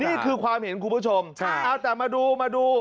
นี่คือความเห็นคุณผู้ชมเอาแต่มาดูมาดู